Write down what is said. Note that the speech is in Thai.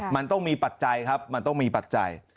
มันต้องมีปัจจัยครับมันต้องมีปัจจัย